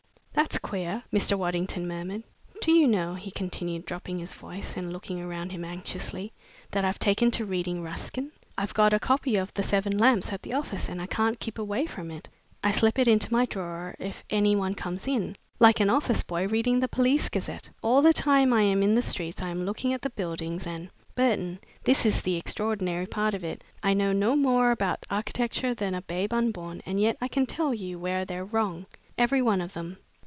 "That's queer," Mr. Waddington murmured. "Do you know," he continued, dropping his voice and looking around him anxiously, "that I've taken to reading Ruskin? I've got a copy of 'The Seven Lamps' at the office, and I can't keep away from it. I slip it into my drawer if any one comes in, like an office boy reading the Police Gazette. All the time I am in the streets I am looking at the buildings, and, Burton, this is the extraordinary part of it, I know no more about architecture than a babe unborn, and yet I can tell you where they're wrong, every one of them.